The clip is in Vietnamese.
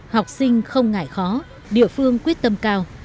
học sinh không ngại khó địa phương quyết tâm cao